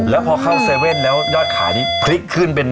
แล้วพอเข้า๗๑๑แล้วยอดขายนี้พลิกขึ้นเป็น